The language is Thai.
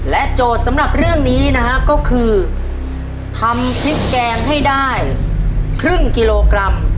โจทย์สำหรับเรื่องนี้นะฮะก็คือทำพริกแกงให้ได้ครึ่งกิโลกรัม